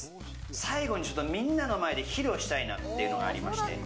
最後にちょっと皆の前で披露したいなっていうのがありまして。